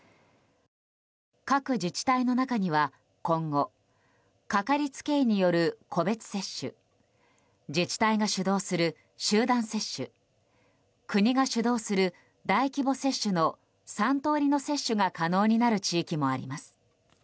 各自治体の中には今後かかりつけ医による個別接種自治体が主導する集団接種国が主導する大規模接種の３通りの接種が可能になる地域もあります。